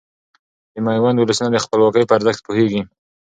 د ميوند ولسونه د خپلواکۍ په ارزښت پوهيږي .